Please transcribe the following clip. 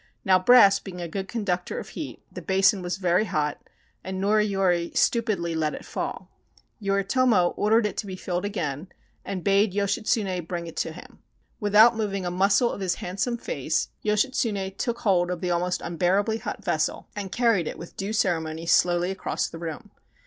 Now brass being a good conductor of heat, the basin was very hot and Noriyori stupidly let it fall. Yoritomo or dered it to be filled again and bade Yoshitsune bring it to him. Without moving a muscle of his handsome face 315 JAPAN Yoshitsune took hold of the almost unbearably hot vessel and carried it with due ceremony slowly across the room.